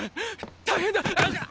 大変だ。